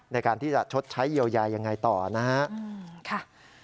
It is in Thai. ในการที่จะชดใช้เยียวยายังไงต่อนะครับ